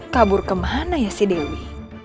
kabur kemana ya si dewi